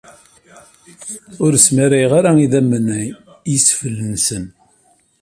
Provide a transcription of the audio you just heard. Ur smarayeɣ ara idammen n iseflen-nsen.